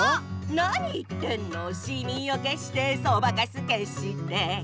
「何言ってんのしみをけしてそばかすけして」